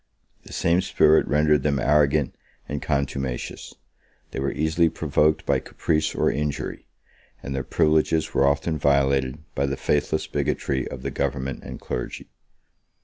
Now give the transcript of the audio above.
The same spirit rendered them arrogant and contumacious: they were easily provoked by caprice or injury; and their privileges were often violated by the faithless bigotry of the government and clergy.